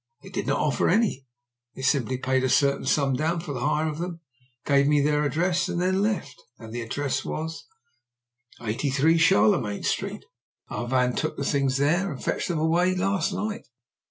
"They did not offer any; they simply paid a certain sum down for the hire of them, gave me their address, and then left." "And the address was?" "83, Charlemagne Street. Our van took the things there and fetched them away last night."